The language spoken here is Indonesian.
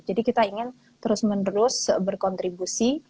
jadi kita ingin terus menerus berkontribusi